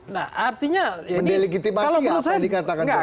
mendilegitimasi atau dikatakan jokowi